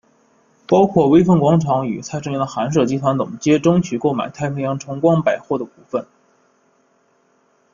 包括微风广场与蔡辰洋的寒舍集团等皆争取购买太平洋崇光百货的股份。